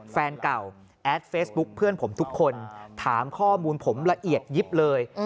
แฟนเก่าแอดเฟซบุ๊คเพื่อนผมทุกคนถามข้อมูลผมละเอียดยิบเลย